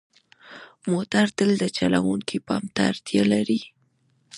موټر تل د چلوونکي پام ته اړتیا لري.